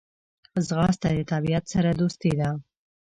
ځغاسته د طبیعت سره دوستي ده